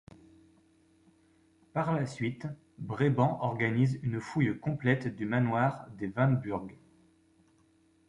Par la suite, Brébant organise une fouille complète du manoir des Van Burg.